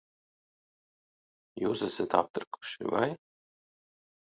Jūs esat aptrakuši, vai?